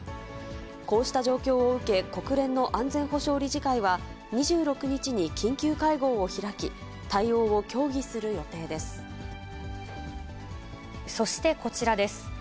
こうした状況を受け、国連の安全保障理事会は２６日に緊急会合を開き、対応を協議するそして、こちらです。